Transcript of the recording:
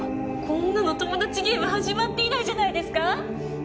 こんなのトモダチゲーム始まって以来じゃないですか？